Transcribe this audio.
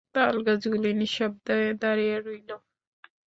তালগাছগুলি নিঃশব্দে দাড়াইয়া রহিল।